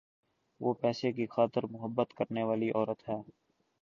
وہ پیسے کی خاطر مُحبت کرنے والی عورت ہے۔`